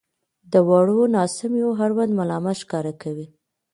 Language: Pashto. • د وړو ناسمیو اړوند ملایمت ښکاره کوئ.